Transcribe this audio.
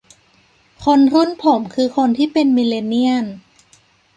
คนรุ่นผมคือคนที่เป็นมิลเลนเนียล